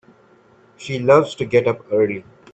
She loves to get up early.